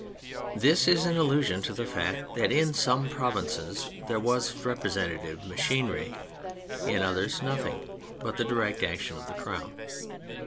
(This is an allusion to the fact that in some provinces there was a repre sentative machinery, in others nothing but the direct action of the Crown.)